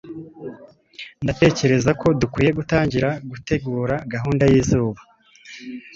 ndatekereza ko dukwiye gutangira gutegura gahunda yizuba